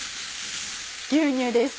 牛乳です。